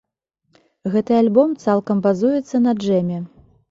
Гэты альбом цалкам базуецца на джэме.